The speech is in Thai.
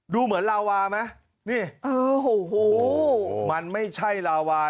ดูเหมือนลาวาไหมนี่เออโอ้โหมันไม่ใช่ลาวา